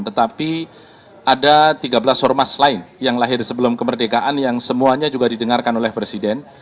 tetapi ada tiga belas ormas lain yang lahir sebelum kemerdekaan yang semuanya juga didengarkan oleh presiden